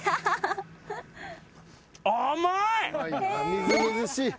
みずみずしい。